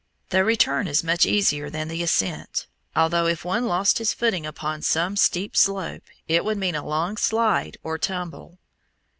The return is much easier than the ascent, although if one lost his footing upon some steep slope, it would mean a long slide or tumble.